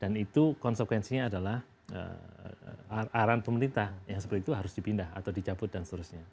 itu konsekuensinya adalah arahan pemerintah yang seperti itu harus dipindah atau dicabut dan seterusnya